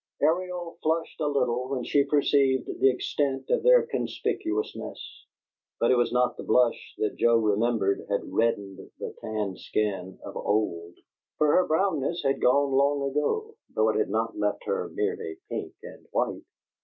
Ariel flushed a little when she perceived the extent of their conspicuousness; but it was not the blush that Joe remembered had reddened the tanned skin of old; for her brownness had gone long ago, though it had not left her merely pink and white.